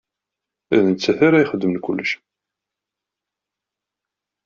D nettat ara ixedmen kulec.